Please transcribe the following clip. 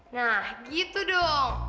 nah gitu dong